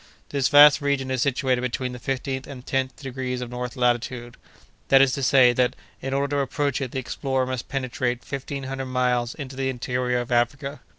This vast region is situated between the fifteenth and tenth degrees of north latitude; that is to say, that, in order to approach it, the explorer must penetrate fifteen hundred miles into the interior of Africa.